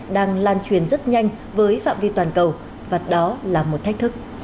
đang lan truyền rất nhanh với phạm vi toàn cầu và đó là một thách thức